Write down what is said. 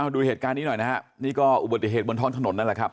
ดูเหตุการณ์นี้หน่อยนะครับนี่ก็อุบัติเหตุบนท้องถนนนั่นแหละครับ